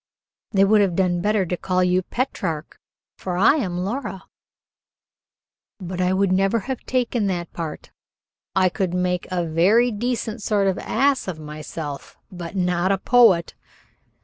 "They would have done better to call you Petrarch, for I am Laura." "But I never could have taken that part. I could make a very decent sort of ass of myself, but not a poet."